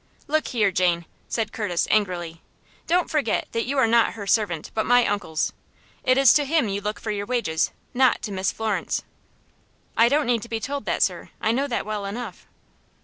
"Look here, Jane," said Curtis, angrily, "don't forget that you are not her servant, but my uncle's. It is to him you look for wages, not to Miss Florence." "I don't need to be told that, sir. I know that well enough."